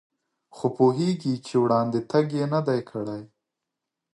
خو پوهېږي چې وړاندې تګ یې نه دی کړی.